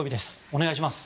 お願いします。